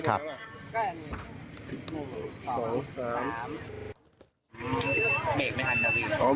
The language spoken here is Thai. ก็อย่างนี้หนึ่งสองสาม